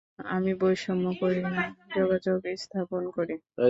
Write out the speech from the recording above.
আমি বৈষম্য করি না, যোগাযোগ স্থাপন করি।